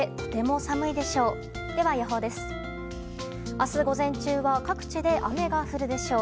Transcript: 明日午前中は各地で雨が降るでしょう。